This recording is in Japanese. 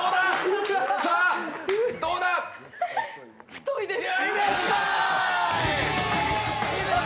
太いです。